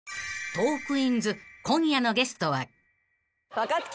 ［『トークィーンズ』今夜のゲストは］